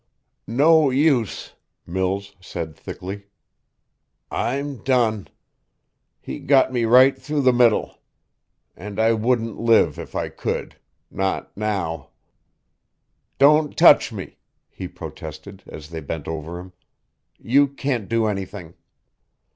"No use," Mills said thickly. "I'm done. He got me right through the middle. And I wouldn't live if I could. Not now. "Don't touch me," he protested, as they bent over him. "You can't do anything.